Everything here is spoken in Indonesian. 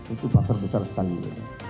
itu pasar besar setanggi ini